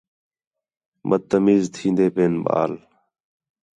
بد تمیز تھین٘دے پئین ٻال